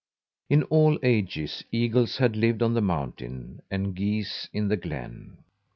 In all ages eagles had lived on the mountain, and geese in the glen.